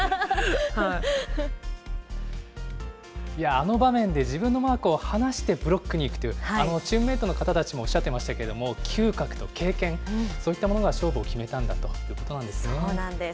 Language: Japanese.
あの場面で自分のマークをはなしてブロックにいくという、あのチームメートの方たちもおっしゃってましたけれども、きゅう覚と経験、そういったものが勝負を決めたんだということなそうなんです。